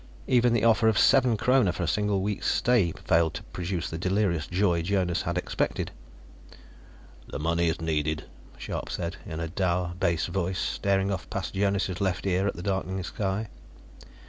Even the offer of seven kroner for a single week's stay failed to produce the delirious joy Jonas had expected. "The money is needed," Scharpe said in a dour, bass voice, staring off past Jonas' left ear at the darkening sky.